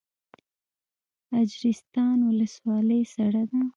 اجرستان ولسوالۍ سړه ده؟